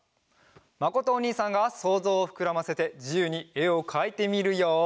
まことおにいさんがそうぞうをふくらませてじゆうにえをかいてみるよ。